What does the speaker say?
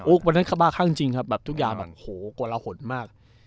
โหเป็นราวบ้าครั้งจริงครับแบบทุกอย่างโกระหละหดมาก